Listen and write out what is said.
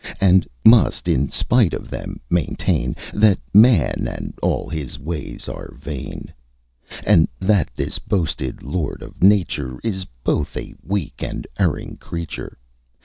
And must, in spite of them, maintain That man and all his ways are vain; And that this boasted lord of nature Is both a weak and erring creature.